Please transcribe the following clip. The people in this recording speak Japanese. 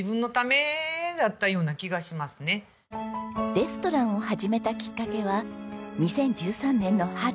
レストランを始めたきっかけは２０１３年の春。